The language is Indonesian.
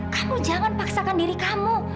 kamu jangan paksakan diri kamu